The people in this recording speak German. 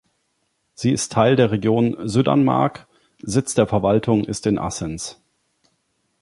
Sie ist Teil der Region Syddanmark, Sitz der Verwaltung ist in Assens.